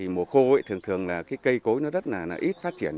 mùa khô thường thường cây cối đất ít phát triển